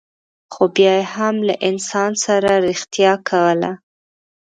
خو بیا یې هم له انسان سره رښتیا کوله.